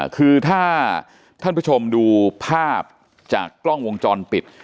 คือถ้าท่านผู้ชมดูภาพจากกล้องวงจรปิด